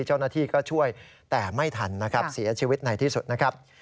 เจ้าหน้าที่ก็ช่วยแต่ไม่ทันนะครับเสียชีวิตในที่สุดนะครับ